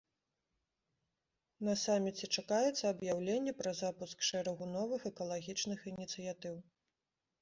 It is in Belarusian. На саміце чакаецца аб'яўленне пра запуск шэрагу новых экалагічных ініцыятыў.